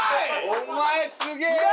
お前すげえな！